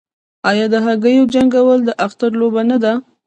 آیا د هګیو جنګول د اختر لوبه نه ده؟